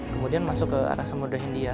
kemudian masuk ke arah samudera india